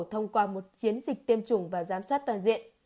thông qua một chiến dịch tiêm chủng và giám sát toàn diện